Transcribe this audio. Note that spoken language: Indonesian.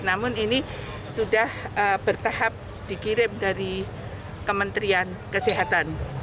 namun ini sudah bertahap dikirim dari kementerian kesehatan